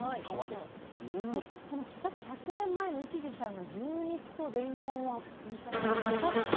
でもさっき１００年前の市次さんが牛肉とれんこんを煮た食べたとおっしゃってる。